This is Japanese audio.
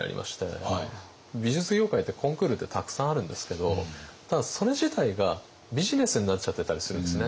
美術業界ってコンクールってたくさんあるんですけどただそれ自体がビジネスになっちゃってたりするんですね。